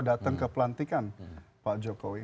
datang ke pelantikan pak jokowi